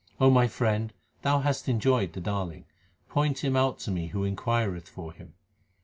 O my friend, thou hast enjoyed the Darling ; point Him out to me who inquireth for Him.